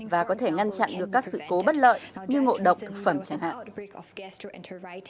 và có thể ngăn chặn được các sự cố bất lợi như ngộ độc thực phẩm chẳng hạn